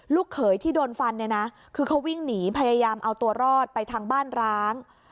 เขยที่โดนฟันเนี่ยนะคือเขาวิ่งหนีพยายามเอาตัวรอดไปทางบ้านร้าง